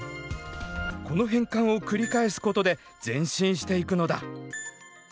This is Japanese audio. この変換を繰り返すことで前進していくのだ。